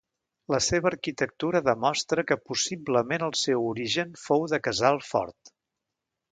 La seva arquitectura demostra que possiblement el seu origen fou de casal fort.